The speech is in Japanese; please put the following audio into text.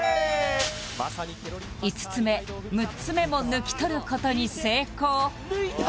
５つ目６つ目も抜き取ることに成功抜いた！